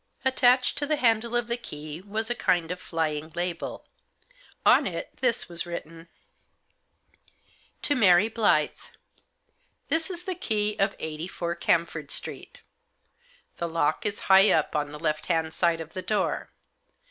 Attached to the handle of the key was a kind of flying label ; on it this was written :" To MARY Blyth. This is the key of 84, Cam ford Street. The lock is high up on the left hand side of the door.